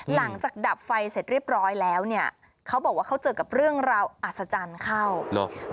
ดับไฟเสร็จเรียบร้อยแล้วเนี่ยเขาบอกว่าเขาเจอกับเรื่องราวอัศจรรย์เข้าเหรอ